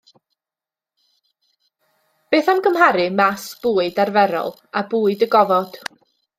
Beth am gymharu màs bwyd arferol â bwyd y gofod?